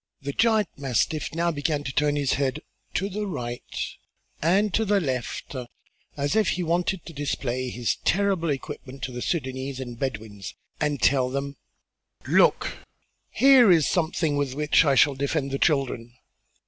The giant mastiff now began to turn his head to the right and to the left as if he wanted to display well his terrible equipment to the Sudânese and Bedouins and tell them: "Look! here is something with which I shall defend the children!"